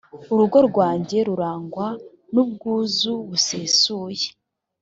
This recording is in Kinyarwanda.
urugo rwanjye rurangwa n’ubwuzu busesuye.